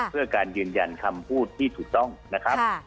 เพื่อการยืนยันคำพูดที่ถูกต้องนะครับ